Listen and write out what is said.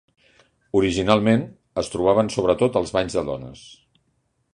Originalment, es trobaven sobretot als banys de dones.